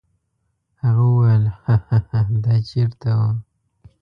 هغه وویل: هاها دا چیرته و؟